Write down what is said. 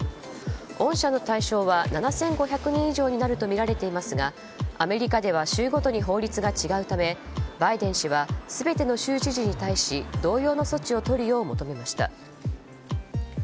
恩赦の対象は７５００人以上になるとみられていますがアメリカでは州ごとに法律が違うためバイデン氏は全ての州知事に対し同様の措置をとるよう求めました。